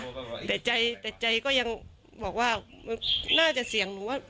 กลัวอยู่นะแต่ใจแต่ใจก็ยังบอกว่ามันน่าจะเสี่ยงหนูว่า